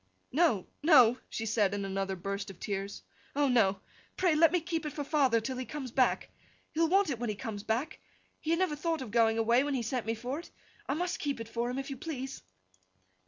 'No, no!' she said, in another burst of tears. 'Oh, no! Pray let me keep it for father till he comes back! He will want it when he comes back. He had never thought of going away, when he sent me for it. I must keep it for him, if you please!